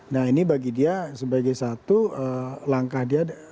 nah ini bagi dia sebagai satu langkah dia